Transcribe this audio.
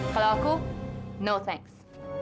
kalau aku no thanks